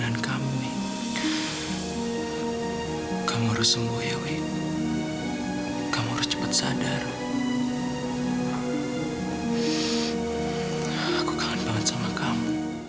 nah aku kangen banget sama kamu